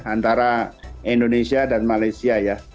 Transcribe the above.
antara indonesia dan malaysia ya